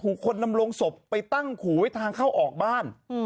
คนนำลงศพไปตั้งขู่ไว้ทางเข้าออกบ้าน